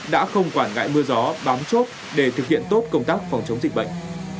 đã không quản ngại mưa gió bám chốt để thực hiện tốt công tác phòng chống dịch bệnh